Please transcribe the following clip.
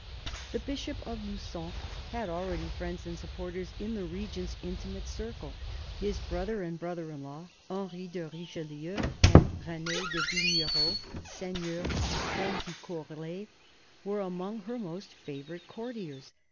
The Bishop of LuQon had already friends and supporters in the Regent's intimate circle. His brother and brother in law, Henry de Richelieu and Rene de Vignerot, Seigneur du Pont de Courlay, were among her most favoured courtiers.